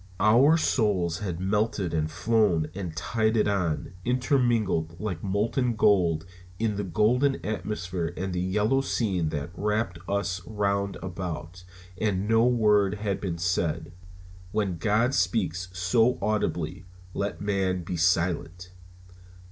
Our souls had melted and flown and tided on, intermingled like molten gold in the golden atmosphere and the yellow scene that wrapped us round about, and no word had been said. When God speaks so audibly let man be silent.